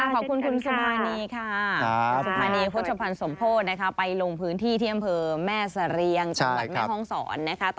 ขอบคุณคุณสุภานีค่ะสุภานีพฤษภัณฑ์สมโภตไปลงพื้นที่เที่ยมเผิมแม่เสรียงจากหลักแม่ห้องศร